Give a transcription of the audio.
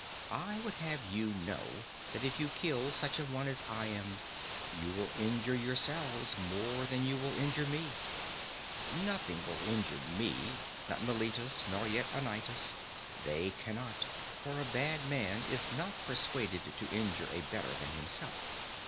I would have you know, that if you kill such an one as I am, you will injure yourselves more than you will injure me. Nothing will injure me, not Meletus nor yet Anytus—they cannot, for a bad man is not permitted to injure a better than himself.